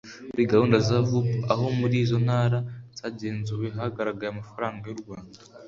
muri gahunda ya vup aho muri izo ntara zagenzuwe hagaragaye amafaranga y u rwanda